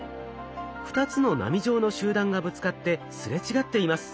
２つの波状の集団がぶつかってすれ違っています。